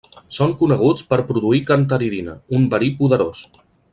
Són coneguts per produir cantaridina, un verí poderós.